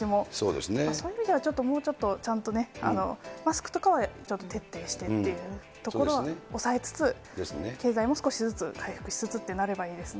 そういう意味ではもうちょっとちゃんとね、マスクとかはちょっと徹底してっていうところは抑えつつ、経済も少しずつ回復していくといいですね。